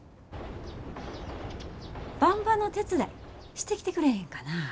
ばんばの手伝いしてきてくれへんかな？